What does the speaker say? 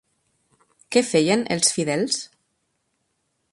Què feien els fidels?